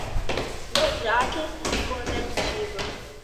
mandrake, conectiva